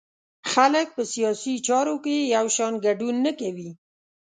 خلک په سیاسي چارو کې یو شان ګډون نه کوي.